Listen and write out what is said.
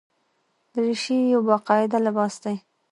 دریشي یو باقاعده لباس دی.